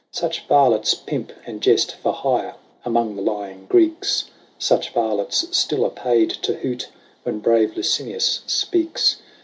Such varlets pimp and jest for hire among the lying Greeks: Such varlets still are paid to hoot when brave Licinius speaks.